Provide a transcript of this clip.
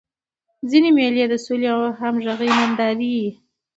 ځيني مېلې د سولي او همږغۍ نندارې يي.